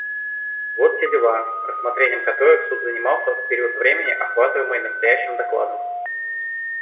Вот те дела, рассмотрением которых Суд занимался в период времени, охватываемый настоящим докладом.